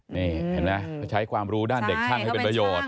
นี่เห็นไหมเขาใช้ความรู้ด้านเด็กช่างให้เป็นประโยชน์